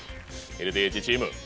ＬＤＨチーム。